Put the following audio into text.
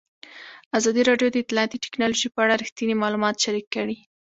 ازادي راډیو د اطلاعاتی تکنالوژي په اړه رښتیني معلومات شریک کړي.